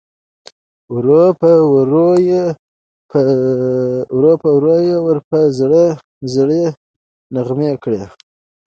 ورو په ورو یې ور په زړه زړې نغمې کړې